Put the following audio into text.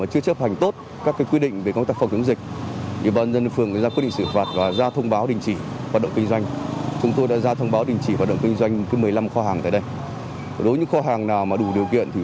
hãy đăng ký kênh để nhận thông tin nhất